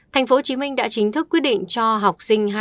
thành phố hồ chí minh đã chính thức quyết định cho học sinh